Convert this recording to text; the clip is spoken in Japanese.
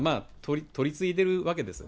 取り次いでるわけです。